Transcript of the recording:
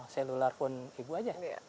selular phone ibu saja